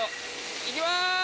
行きます！